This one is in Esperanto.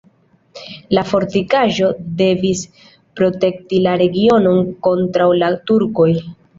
La fortikaĵo devis protekti la regionon kontraŭ la turkoj.